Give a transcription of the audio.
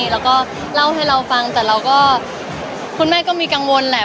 แล้วก็เล่าให้เราฟังแต่เราก็คุณแม่ก็มีกังวลแหละ